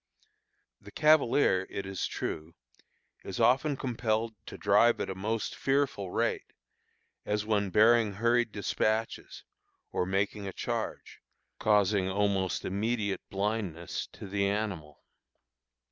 The cavalier, it is true, is often compelled to drive at a most fearful rate, as when bearing hurried despatches, or making a charge, frequently causing almost immediate blindness to the animal.